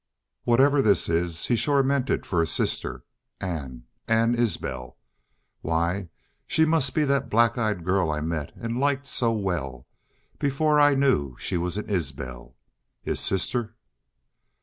Whatever this is he shore meant it for sister Ann.... Ann Isbel. Why, she must be that black eyed girl I met and liked so well before I knew she was an Isbel.... His sister!"